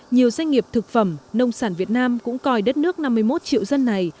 nhiều doanh nghiệp thực phẩm nông sản việt nam cũng coi đất nước năm mươi một triệu dân này